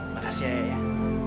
makasih ya ayah